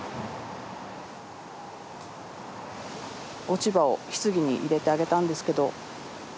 落ち葉を棺に入れてあげたんですけど